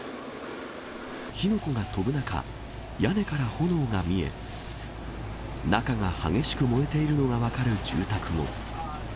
火の粉が飛ぶ中、屋根から炎が見え、中が激しく燃えているのが分かる住宅も。